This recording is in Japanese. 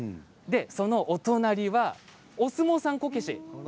そのお隣はお相撲さんこけしです。